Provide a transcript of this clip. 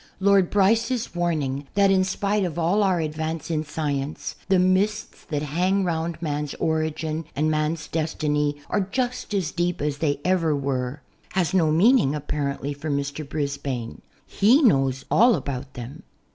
Lord Bryce's warning that in spite of all our advance in science "the mists that hang round man's origin and man's destiny are just as deep as they ever were" has no meaning apparently for Mr. Brisbane. He knows all about them.